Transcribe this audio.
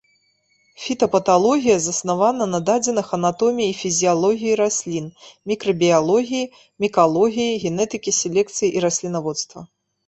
Фітапаталогія заснавана на дадзеных анатоміі і фізіялогіі раслін, мікрабіялогіі, мікалогіі, генетыкі, селекцыі і раслінаводства.